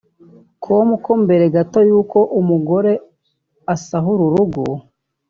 com ko mbere gato y’uko umugore asahura urugo